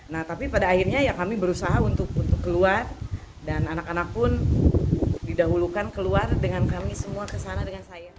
nah tapi pada akhirnya ya kami berusaha untuk keluar dan anak anak pun didahulukan keluar dengan kami semua kesana dengan saya